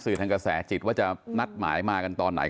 ทางกระแสจิตว่าจะนัดหมายมากันตอนไหน